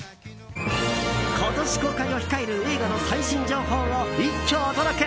今年公開を控える映画の最新情報を一挙お届け！